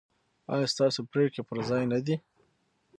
ایا ستاسو پریکړې پر ځای نه دي؟